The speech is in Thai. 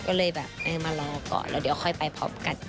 ก็เลยแบบเออมารอก่อนแล้วเดี๋ยวค่อยไปพร้อมกัน